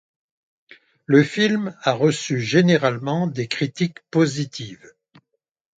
Le film a reçu généralement des critiques positives.